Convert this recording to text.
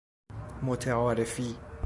متعارفی